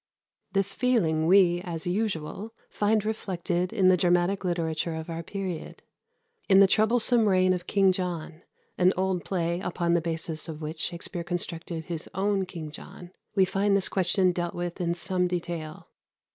This feeling we, as usual, find reflected in the dramatic literature of our period. In "The Troublesome Raigne of King John," an old play upon the basis of which Shakspere constructed his own "King John," we find this question dealt with in some detail.